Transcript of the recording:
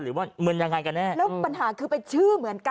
หรือว่ามันยังไงกันแน่แล้วปัญหาคือเป็นชื่อเหมือนกัน